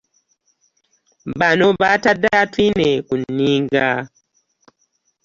Bano baatadde Atwine ku nninga